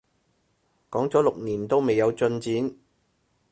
講咗六年都未有進展